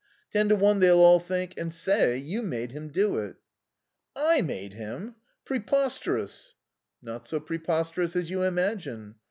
Ten to one they'll all think, and say, you made him do it." "I made him? Preposterous!" "Not so preposterous as you imagine.